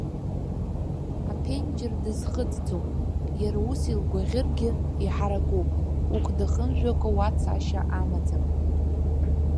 Аԥенџьыр дызхыҵӡом, иара ус илгәаӷьыргьы, иҳаракуп, ухәда хымжәакәа уа цашьа амаӡам.